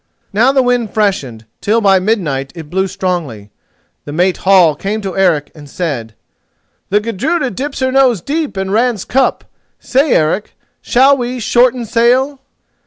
Now the wind freshened till by midnight it blew strongly. The mate Hall came to Eric and said: "The Gudruda dips her nose deep in Ran's cup. Say, Eric, shall we shorten sail?"